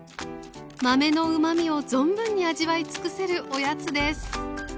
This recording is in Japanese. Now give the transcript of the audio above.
豆のうまみを存分に味わいつくせるおやつです。